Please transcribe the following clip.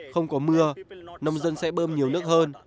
không có mưa nông dân sẽ bơm nhiều nước hơn